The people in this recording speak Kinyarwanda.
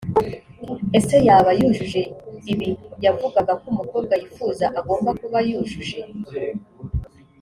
Ese yaba yujuje ibi yavugaga ko umukobwa yifuza agomba kuba yujuje